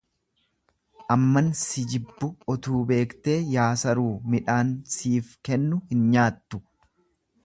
Amman si jibbu utuu beektee yaa saruu midhaan siif kennamu hin nyaattu.